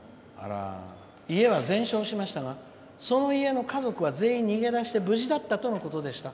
家は全焼しましたがその家の家族は全員、逃げ出して無事だったということでした。